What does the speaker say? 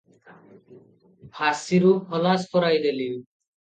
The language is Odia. ଫାଶିରୁ ଖଲାସ କରାଇଦେଲି ।